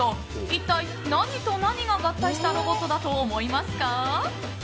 一体、何と何が合体したロボットだと思いますか？